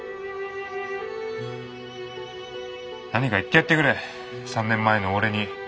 何か言ってやってくれ３年前の俺に。